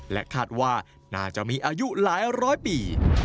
และคาดว่าน่าจะมีอายุหลายร้อยปี